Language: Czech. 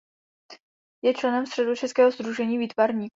Je členem Středočeského sdružení výtvarníků.